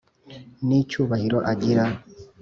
N' icyubahiro igira,